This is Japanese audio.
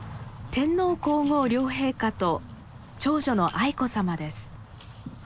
天皇皇后両陛下と長女の愛子さまです。